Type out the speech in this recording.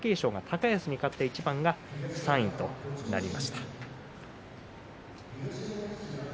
貴景勝が高安に勝った一番が３位となりました。